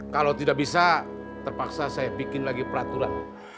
kalau tidak bisa terpaksa saya bikin lagi peraturan